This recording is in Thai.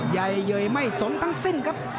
ใหญ่เยยไม่สนทั้งสิ้นครับ